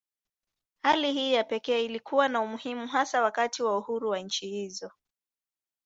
Hali hii ya pekee ilikuwa na umuhimu hasa wakati wa uhuru wa nchi hizo.